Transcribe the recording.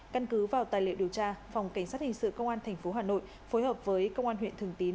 căn cứ vào tài liệu điều tra phòng cảnh sát hình sự công an tp hà nội phối hợp với công an huyện thường tín